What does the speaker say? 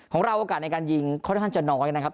โอกาสในการยิงค่อนข้างจะน้อยนะครับ